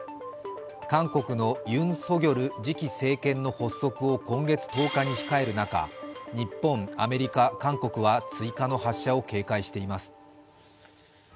韓国のユン・ソギョル次期政権の発足を今月１０日に控える中、日本、アメリカ、韓国は追加の発射を警戒しています。